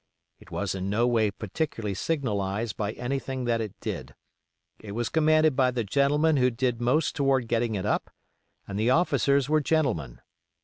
It was in no way particularly signalized by anything that it did. It was commanded by the gentleman who did most toward getting it up; and the officers were gentlemen.